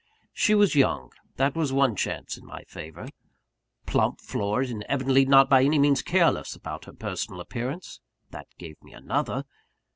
She was young (that was one chance in my favour!) plump, florid, and evidently not by any means careless about her personal appearance (that gave me another!)